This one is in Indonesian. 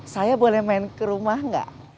saya boleh main ke rumah nggak